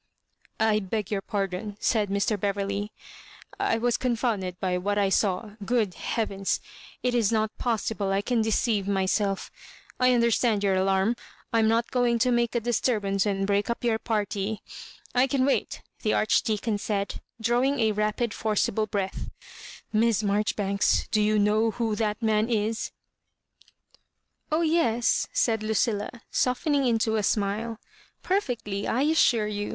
" I beg your pardon," said Mr. Beverley. "I was confounded by what I saw. Good heavens | it is not possible I can deceive mjrself. I under stand your alarm. I am not going to make a Digitized by VjOOQIC 112 MISS BfABJOEXBAlirES. disturbai.ce and break up your party. I can wait/' the Archdeacon said, drawing a rapid forcible breath. ''Miss Marjoribanka, do you know who that man is V* " Oh yes," said Lucilla, softening into a. smile, " Perfectly, I assure you.